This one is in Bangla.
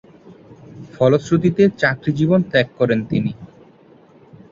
ফলশ্রুতিতে চাকুরী জীবন ত্যাগ করেন তিনি।